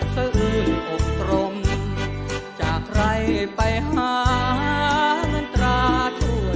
สะอืดโอ้น้องแก้วตาต้องอย่าเข้าคอยทั้งคืน